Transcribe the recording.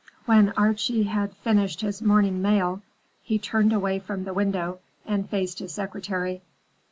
When Archie had finished his morning mail, he turned away from the window and faced his secretary.